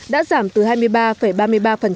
đã giảm từ hai tỷ đồng